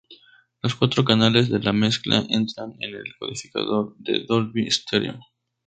Los cuatro canales de la mezcla entran en el codificador Dolby Stereo.